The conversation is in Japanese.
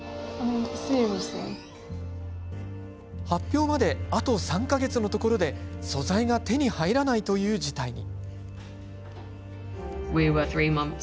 発表まで、あと３か月のところで素材が手に入らないという事態に。